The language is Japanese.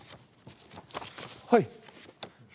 はい。